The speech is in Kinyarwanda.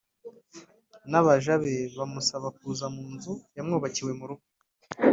N abaja be bamusaba kuza mu nzu yamwubakiwe mu rugo